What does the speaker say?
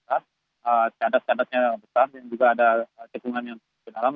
dan juga arus berat cadat cadatnya besar dan juga ada cekungan yang terlalu dalam